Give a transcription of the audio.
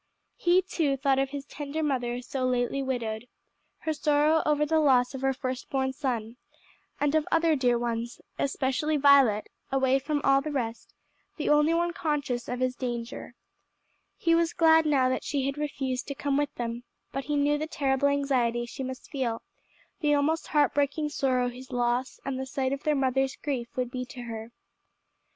He too thought of his tender mother so lately widowed, her sorrow over the loss of her first born son; and of other dear ones, especially Violet, away from all the rest, the only one conscious of his danger. He was glad now that she had refused to come with them, but he knew the terrible anxiety she must feel, the almost heart breaking sorrow his loss and the sight of their mother's grief would be to her. "Mr.